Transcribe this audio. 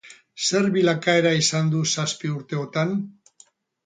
Zer bilakaera izan du zazpi urteotan?